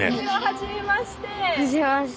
はじめまして！